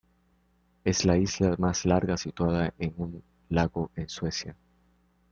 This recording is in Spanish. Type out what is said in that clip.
Es la isla más larga situada en un lago en Suecia.